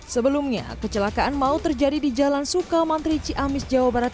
sebelumnya kecelakaan maut terjadi di jalan sukamantri ciamis jawa barat